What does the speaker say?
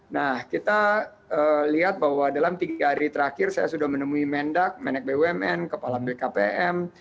nah kita lihat bahwa dalam tiga hari terakhir saya sudah menemui mendak mendak bumn kepala bkpm